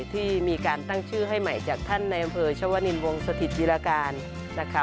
ที่มีการตั้งชื่อให้ใหม่จากท่านในอำเภอชวนินวงสถิตวิราการนะคะ